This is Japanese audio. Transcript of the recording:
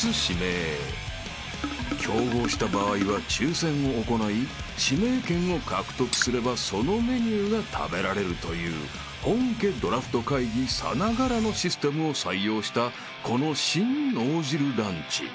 ［競合した場合は抽選を行い指名権を獲得すればそのメニューが食べられるという本家ドラフト会議さながらのシステムを採用したこの新脳汁ランチ］